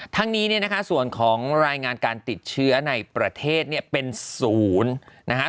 ทั้งนี้ส่วนของรายงานการติดเชื้อในประเทศเป็นศูนย์นะคะ